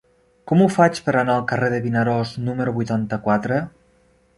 Com ho faig per anar al carrer de Vinaròs número vuitanta-quatre?